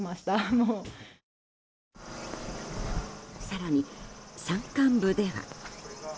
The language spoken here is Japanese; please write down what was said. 更に、山間部では。